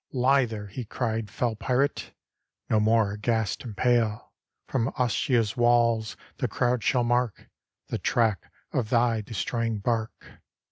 "Lie there," he cried, "fell pirate! No more, aghast and pale, From Ostia's walls the crowd shall mark The track of thy destroying bark.